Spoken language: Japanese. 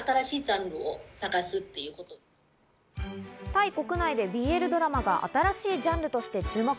タイ国内でＢＬドラマが新しいジャンルとして注目。